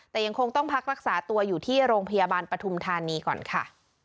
แต่ยังคงต้องพักรักษาตัวอยู่ที่โรงพยาบาลปฐุมธานีก่อนค่ะ